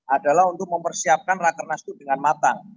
adalah untuk mempersiapkan rakernas itu dengan matang